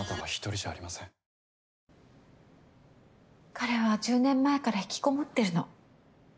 彼は１０年前から引きこもってるの。